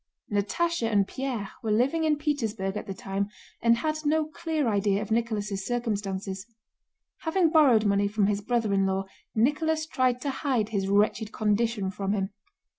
Natásha and Pierre were living in Petersburg at the time and had no clear idea of Nicholas' circumstances. Having borrowed money from his brother in law, Nicholas tried to hide his wretched condition from him.